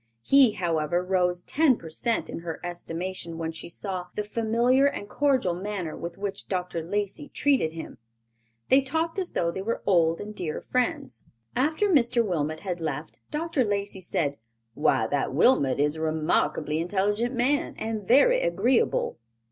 He, however, rose ten per cent in her estimation when she saw the familiar and cordial manner with which Dr. Lacey treated him. They talked as though they were old and dear friends. After Mr. Wilmot had left, Dr. Lacey said, "Why, that Wilmot is a remarkably intelligent man and very agreeable."